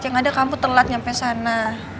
yang ada kamu telat sampai sana